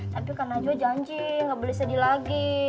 tapi kak najwa janji gak boleh sedih lagi